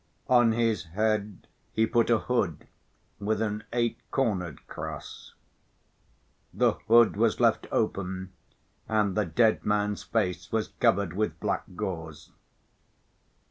On his head he put a hood with an eight‐cornered cross. The hood was left open and the dead man's face was covered with black gauze.